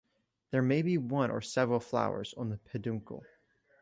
There may be one or several flowers on the peduncle.